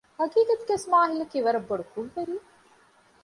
ހަގީގަތުގައިވެސް މާހިލަކީ ވަރަށް ބޮޑު ކުށްވެރިއެއް